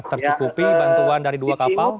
tercukupi bantuan dari dua kapal